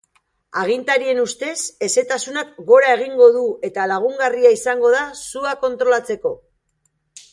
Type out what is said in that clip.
Agintarien ustez hezetasunak gora egingo du eta lagungarria izango da sua kontrolatzeko.